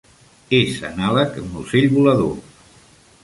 És anàleg a un ocell volador.